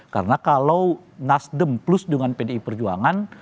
karena kalau nasdem plus dengan pdi perjuangan